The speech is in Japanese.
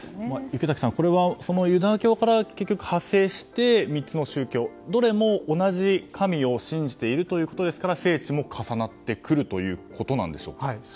池滝さん、これはユダヤ教から結局派生して３つの宗教、どれも同じ神を信じているということですから聖地も重なってくるということなんでしょうか。